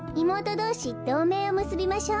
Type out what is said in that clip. どうめいをむすびましょう。